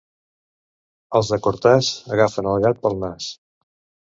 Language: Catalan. Els de Cortàs agafen el gat pel nas.